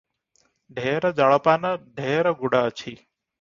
ଢେର ଜଳପାନ, ଢେର ଗୁଡ଼ ଅଛି